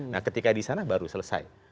nah ketika di sana baru selesai